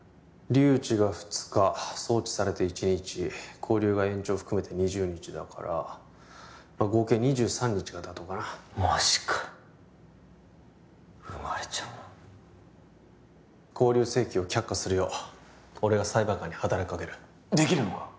留置が２日送致されて１日勾留が延長含めて２０日だから合計２３日が妥当かなマジか生まれちゃうな勾留請求を却下するよう俺が裁判官に働きかけるできるのか？